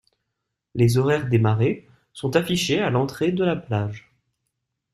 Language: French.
Les horaires des marées sont affichés à l’entrée de la plage.